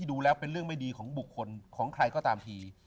ดูแล้วเป็นเรื่องไม่ดีของบุคคลของใครก็ตามที